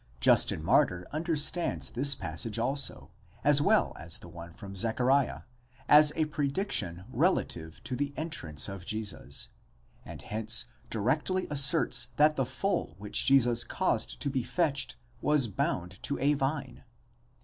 Justin Martyr understands this passage also, as well as the one from Zechariah, as a prediction relative to the entrance of Jesus, and hence directly asserts that the foal which Jesus caused to be fetched was bound to a vine.!